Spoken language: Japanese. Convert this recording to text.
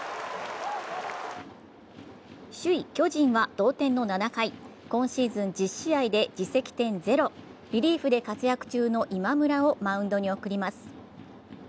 首位・巨人は同点の７回、今シーズン１０試合で自責点ゼロ、リリーフで活躍中の今村をマウンドに送ります。